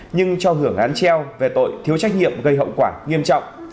nhưng cho hưởng án treo về tội thiếu trách nhiệm gây hậu quả nghiêm trọng